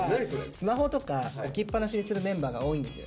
スマホとか置きっぱなしにするメンバーが多いんですよ。